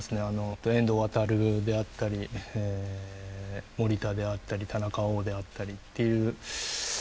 遠藤航であったり守田であったり田中碧であったりっていう選手かなと。